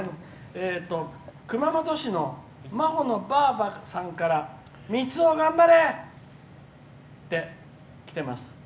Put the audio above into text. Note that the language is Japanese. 熊本市のまほのばあばさんから「みつお、頑張れ！」ってきてます。